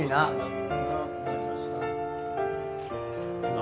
何？